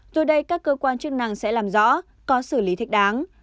từ đây các cơ quan chức năng sẽ làm rõ có xử lý thích đáng